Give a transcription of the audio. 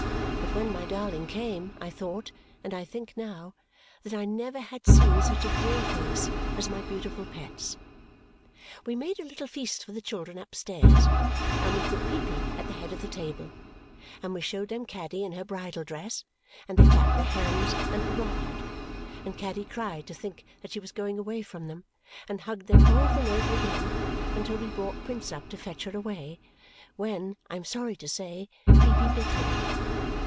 But when my darling came, I thought and I think now that I never had seen such a dear face as my beautiful pet's. We made a little feast for the children upstairs, and we put Peepy at the head of the table, and we showed them Caddy in her bridal dress, and they clapped their hands and hurrahed, and Caddy cried to think that she was going away from them and hugged them over and over again until we brought Prince up to fetch her away when, I am sorry to say, Peepy bit him.